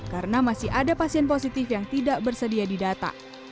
karena masih ada pasien positif yang tidak bersedia di data